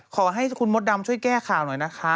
ขอให้คุณมดดำช่วยแก้ข่าวหน่อยนะคะ